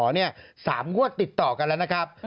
๓งวดติดต่อกันแล้วนะครับ